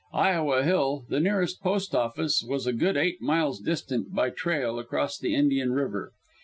Iowa Hill, the nearest post office, was a good eight miles distant, by trail, across the Indian River.